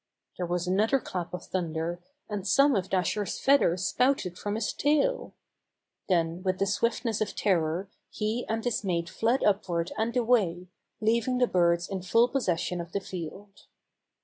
There was another clap of thunder, and some of Dasher's feathers spouted from his tail. Then with the swiftness of terror he and his mate flew upward and away, leaving the birds in full possession of the field.